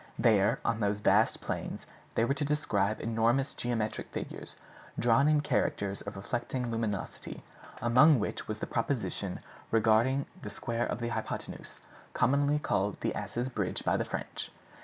There, on those vast plains, they were to describe enormous geometric figures, drawn in characters of reflecting luminosity, among which was the proposition regarding the 'square of the hypothenuse,' commonly called the 'Ass's Bridge' by the French.